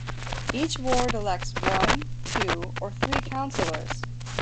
Each ward elects one, two or three councillors.